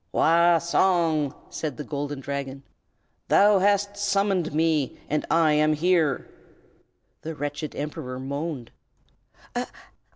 "Wah Song!" said the Golden Dragon, "thou hast summoned me, and I am here!" The wretched Emperor moaned.